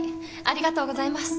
ありがとうございます。